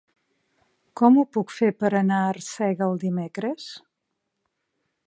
Com ho puc fer per anar a Arsèguel dimecres?